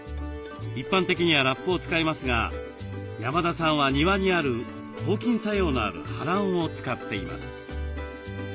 一般的にはラップを使いますが山田さんは庭にある抗菌作用のあるはらんを使っています。